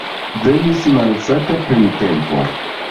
Venis malsata printempo.